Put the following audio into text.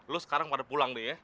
lo sekarang pada pulang deh ya